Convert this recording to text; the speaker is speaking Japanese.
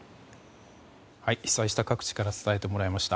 被災した各地から伝えてもらいました。